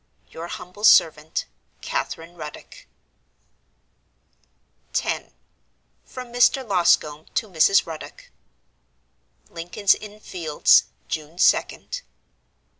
"Your humble servant, "CATHERINE RUDDOCK." X. From Mr. Loscombe to Mrs. Ruddock. "Lincoln's Inn Fields, June 2d.